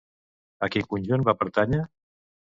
A quin conjunt va pertànyer?